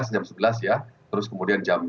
jam sebelas terus kemudian